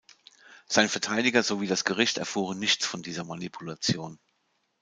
Sein Verteidiger sowie das Gericht erfuhren nichts von dieser Manipulation.